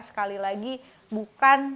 sekali lagi bukan